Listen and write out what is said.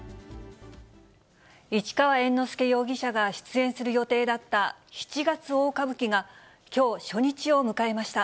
市川猿之助容疑者が出演する予定だった七月大歌舞伎が、きょう、初日を迎えました。